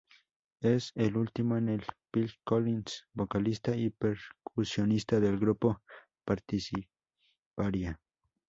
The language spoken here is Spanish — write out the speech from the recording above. Es el último en el que Phil Collins, vocalista y percusionista del grupo, participaría.